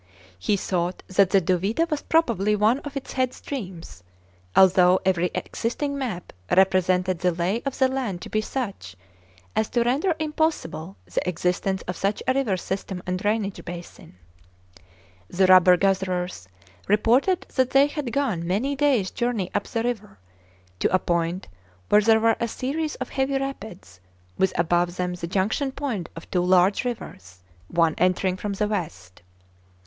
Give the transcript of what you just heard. He thought that the Duvida was probably one of its head streams although every existing map represented the lay of the land to be such as to render impossible the existence of such a river system and drainage basin. The rubber gatherers reported that they had gone many days' journey up the river, to a point where there was a series of heavy rapids with above them the junction point of two large rivers, one entering from the west.